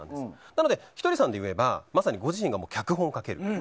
なので、ひとりさんでいえばご自身が脚本を書ける。